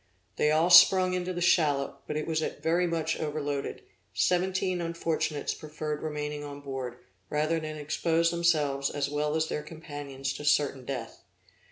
They all sprung into the shallop; but as it was very much overloaded, seventeen unfortunates preferred remaining on board, rather than expose themselves as well as their companions to certain death.